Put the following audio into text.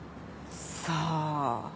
さあ。